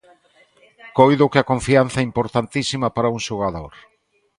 Coido que a confianza é importantísima para un xogador.